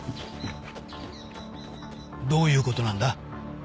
どういう事なんだ？